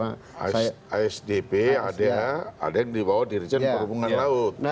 asdp ada yang dibawa dirijen perhubungan laut